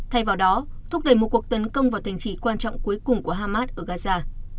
thay vào đó thúc đẩy một cuộc tấn công vào thành trì quan trọng cuối cùng của hamas ở gaza